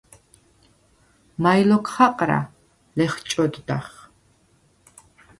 “მაჲ ლოქ ხაყრა?” ლეხჭოდდახ.